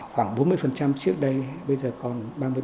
khoảng bốn mươi trước đây bây giờ còn ba mươi